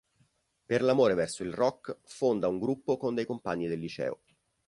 Per l'amore verso il rock fonda un gruppo con dei compagni del liceo.